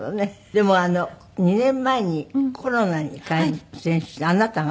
でも２年前にコロナに感染してあなたが？